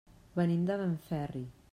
Venim de Benferri.